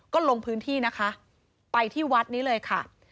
ก็ลงพื้นที่นะคะไปที่วัดนี้เลยค่ะ